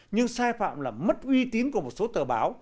nhưng sai phạm là mất uy tín của một số tờ báo